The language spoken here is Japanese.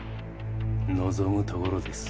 望むところです。